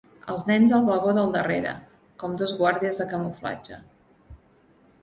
Els nens al vagó del darrere, com dos guàrdies de camuflatge.